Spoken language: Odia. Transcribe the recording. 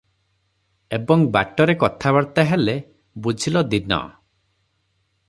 ଏବଂ ବାଟରେ କଥାବାର୍ତ୍ତା ହେଲେ- "ବୁଝିଲ ଦୀନ!